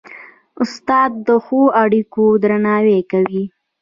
استاد د ښو اړيکو درناوی کوي.